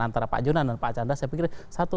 antara pak jonan dan pak chandra saya pikir satu